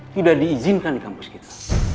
tidak diizinkan di kampus kita